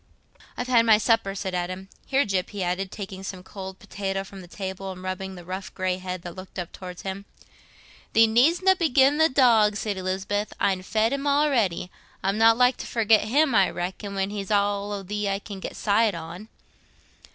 "I've had my supper," said Adam. "Here, Gyp," he added, taking some cold potato from the table and rubbing the rough grey head that looked up towards him. "Thee needstna be gi'in' th' dog," said Lisbeth; "I'n fed him well a'ready. I'm not like to forget him, I reckon, when he's all o' thee I can get sight on."